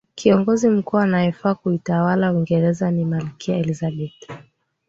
kiongozi mkuu anyefaa kuitawala uingereza ni malkia elizabeth